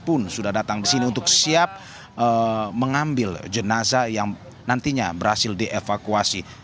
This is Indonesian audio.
pun sudah datang di sini untuk siap mengambil jenazah yang nantinya berhasil dievakuasi